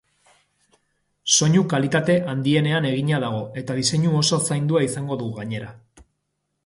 Soinu kalitate handienean egina dago eta diseinu oso zaindua izango du, gainera.